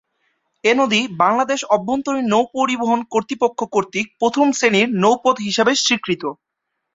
এ নদী বাংলাদেশ অভ্যন্তরীণ নৌপরিবহন কর্তৃপক্ষ কর্তৃক প্রথম শ্রেণির নৌপথ হিসেবে স্বীকৃত।